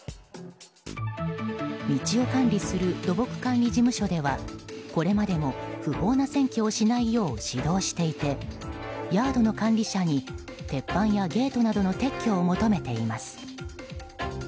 道を管理する土木管理事務所ではこれまでも不法な占拠をしないよう指導していてヤードの管理者に鉄板やゲートなどの撤去を求めています。